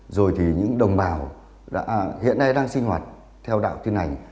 rồi thì những đồng bào hiện nay đang sinh hoạt theo đạo tin hành